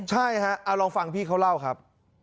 ใช่ฮะเอาลองฟังพี่เขาเล่าครับ